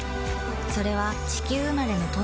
それは地球生まれの透明感